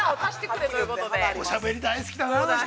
◆おしゃべり大好きだなあ、あの人。